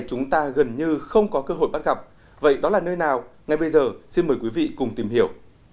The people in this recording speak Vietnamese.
chúng ta gần như không có cơ hội bắt gặp vậy đó là nơi nào ngay bây giờ xin mời quý vị cùng tìm hiểu